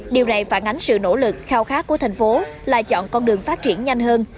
điều này phản ánh sự nỗ lực khao khát của thành phố là chọn con đường phát triển nhanh hơn